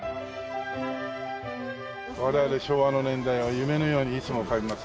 我々の年代は夢のようにいつも感じますよ。